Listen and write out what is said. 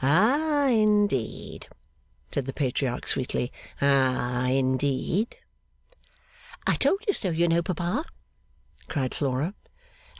'Ah, indeed?' said the Patriarch, sweetly. 'Ah, indeed?' 'I told you so you know papa,' cried Flora.